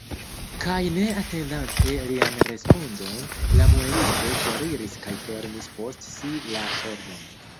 Kaj ne atendante lian respondon, la muelisto foriris kaj fermis post si la pordon.